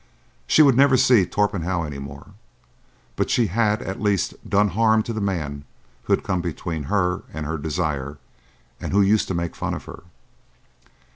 She would never see Torpenhow any more, but she had at least done harm to the man who had come between her and her desire and who used to make fun of her.